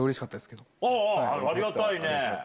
ありがたいね。